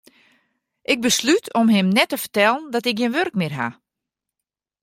Ik beslút om him net te fertellen dat ik gjin wurk mear ha.